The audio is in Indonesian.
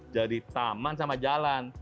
jadi taman sama jalan